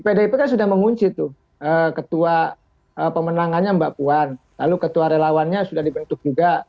pdip kan sudah mengunci tuh ketua pemenangannya mbak puan lalu ketua relawannya sudah dibentuk juga